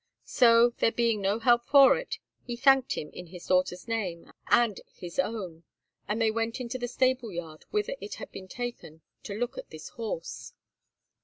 So, there being no help for it, he thanked him in his daughter's name and his own, and they went into the stable yard, whither it had been taken, to look at this horse.